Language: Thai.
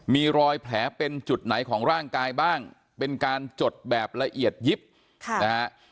มีรอยแผลเป็นจุดไหนของร่างกายบ้างเป็นการจดแบบละเอียดยิบค่ะนะฮะ